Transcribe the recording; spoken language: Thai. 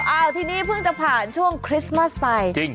ทีนี้เพิ่งจะผ่านช่วงคริสต์มัสไป